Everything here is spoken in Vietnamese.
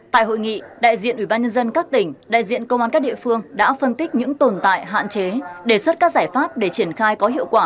tại hội nghị đại diện ủy ban nhân dân các tỉnh đại diện công an các địa phương đã phân tích những tồn tại hạn chế đề xuất các giải pháp để triển khai có hiệu quả